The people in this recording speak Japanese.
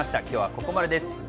今日はここまでです。